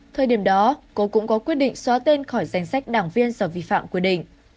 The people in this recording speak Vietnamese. thời điểm đó cô cũng có quyết định xóa tên khỏi danh sách đảng viên do vi phạm quy định